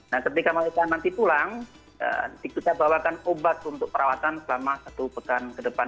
nah ketika mereka nanti pulang nanti kita bawakan obat untuk perawatan selama satu petang kedepan